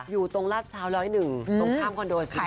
อยู่ตรงรถท้าว๑๐๑ตรงข้ามคอนโดรสินทรีย์